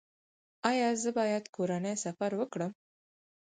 ایا زه باید کورنی سفر وکړم؟